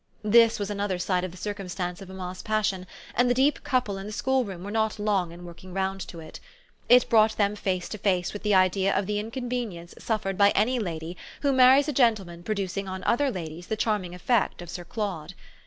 This was another side of the circumstance of mamma's passion, and the deep couple in the schoolroom were not long in working round to it. It brought them face to face with the idea of the inconvenience suffered by any lady who marries a gentleman producing on other ladies the charming effect of Sir Claude.